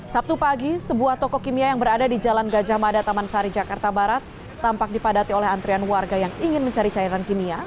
sabtu pagi sebuah toko kimia yang berada di jalan gajah mada taman sari jakarta barat tampak dipadati oleh antrian warga yang ingin mencari cairan kimia